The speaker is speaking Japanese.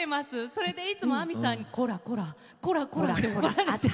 それで、いつも亜美さんにこらこらって。